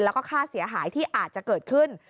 แล้วก็ค่าเสียหายที่อาจจะเกิดขึ้น